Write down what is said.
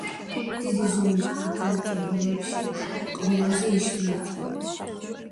დიდი ზომის ძუძუმწოვრებში ყველაზე იშვიათია.